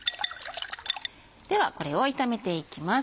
ではこれを炒めていきます。